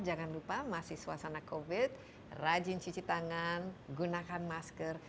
jangan lupa masih suasana covid rajin cuci tangan gunakan masker